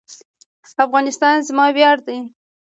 افغانستان زما ویاړ دی